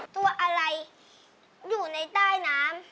ตัวอะไรอยู่ในใต้น้ำ